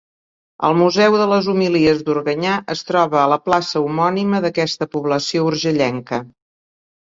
El museu de les Homilies d'Organyà es troba a la plaça homònima d'aquesta població urgellenca.